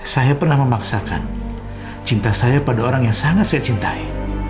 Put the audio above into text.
saya pernah memaksakan cinta saya pada orang yang sangat saya cintai